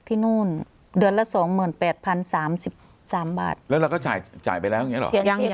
ที่นู่นเดือนละสองหมื่นแปดพันสามสิบสามบาทแล้วเราก็จ่ายจ่ายไปแล้วอย่าง